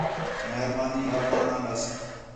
مہربانی آپݨاں ناں ݙَس